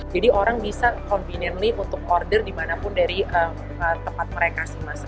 jadi orang bisa conveniently untuk order dimanapun dari tempat mereka